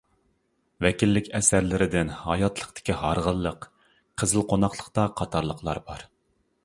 ۋەكىللىك ئەسەرلىرىدىن «ھاياتلىقتىكى ھارغىنلىق» ، «قىزىل قوناقلىقتا» قاتارلىقلار بار.